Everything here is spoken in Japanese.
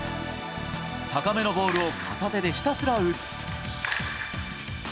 高めのボールを片手でひたすら打つ。